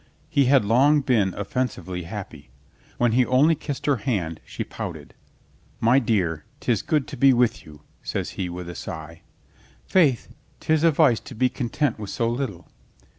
He had long been offensively happy. When he only kissed her hand, she pouted. "My dear, 'tis good to be with you," says he with a sigh. "Faith, 'tis a vice to be content with so little."